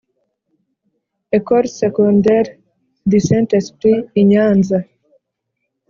Ecole Secondaire du St Esprit I nyanza